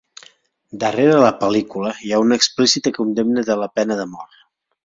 Darrere la pel·lícula hi ha una explícita condemna de la pena de mort.